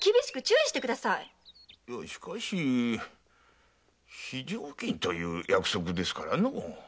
しかし非常勤という約束ですからのう。